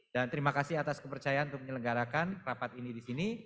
dan terima kasih atas kepercayaan untuk menyelenggarakan rapat ini di sini